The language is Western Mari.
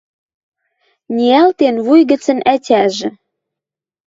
Ниӓлтен вуй гӹцӹн ӓтяжӹ.